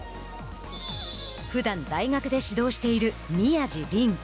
ふだん大学で指導している宮道りん。